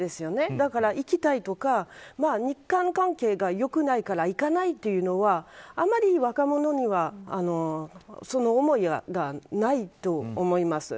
だから、行きたいとか日韓関係が良くないから行かないというのはあまり若者にはその思いがないと思います。